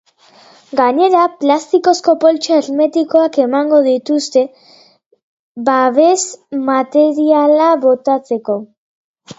Gainera, plastikozko poltsa hermetikoak emango dituzte, babes-materiala botatzeko.